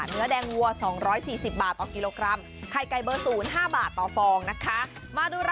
เนื้อแดงวัว๒๔๐บาทต่อกิโลกรัม